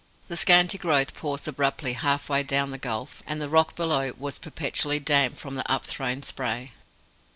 The scanty growth paused abruptly half way down the gulf, and the rock below was perpetually damp from the upthrown spray.